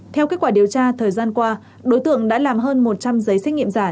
theo kết quả điều tra thời gian qua đối tượng đã làm hơn một trăm linh giấy xét nghiệm giả